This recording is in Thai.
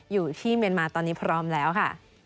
อยู่ที่เมียนมาตอนนี้พร้อมแล้วค่ะ